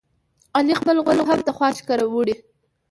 علي خپل غول هم د خواښې کره وړي.